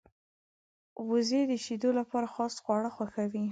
وزې د شیدو لپاره خاص خواړه خوښوي